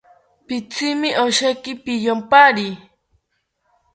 Pitzimi osheki piyompari